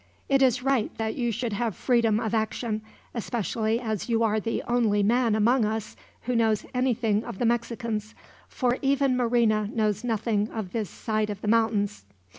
It is right that you should have freedom of action, especially as you are the only man among us who knows anything of the Mexicans; for even Marina knows nothing of this side of the mountains."